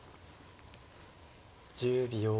１０秒。